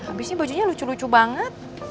habisnya bajunya lucu lucu banget